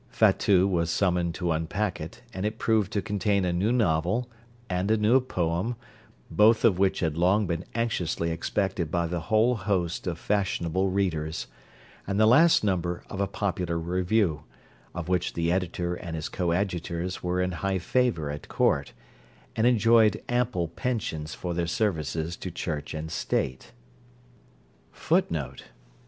Fatout was summoned to unpack it; and it proved to contain a new novel, and a new poem, both of which had long been anxiously expected by the whole host of fashionable readers; and the last number of a popular Review, of which the editor and his coadjutors were in high favour at court, and enjoyed ample pensions for their services to church and state.